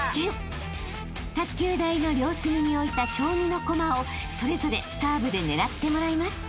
［卓球台の両隅に置いた将棋の駒をそれぞれサーブで狙ってもらいます］